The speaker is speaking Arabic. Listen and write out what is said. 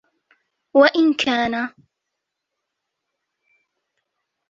وَإِنْ كَانَ